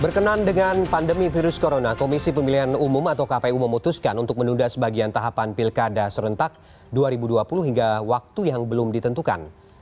berkenan dengan pandemi virus corona komisi pemilihan umum atau kpu memutuskan untuk menunda sebagian tahapan pilkada serentak dua ribu dua puluh hingga waktu yang belum ditentukan